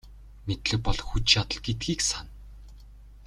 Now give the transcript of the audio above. Мэдлэг бол хүч чадал гэдгийг сана.